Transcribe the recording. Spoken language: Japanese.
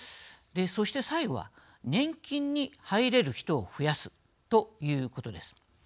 そして最後は年金に入れる人を増やすということです。